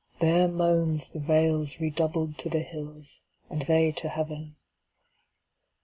Their moansThe vales redoubled to the hills, and theyTo heaven.